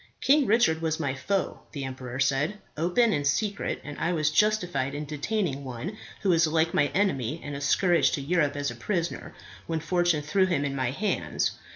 "King Richard was my foe," the emperor said, "open and secret, and I was justified in detaining one who is alike my enemy and a scourge to Europe as a prisoner, when fortune threw him in my hands.